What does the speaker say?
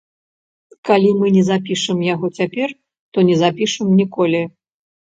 Калі мы не запішам яго цяпер, то не запішам ніколі.